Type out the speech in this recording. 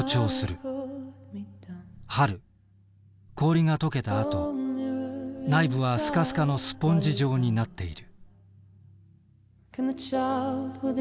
春氷が解けたあと内部はスカスカのスポンジ状になっている。